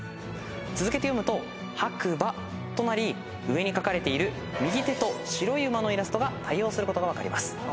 続けて読むと「ハくば」となり上にかかれている右手と白い馬のイラストが対応することが分かります。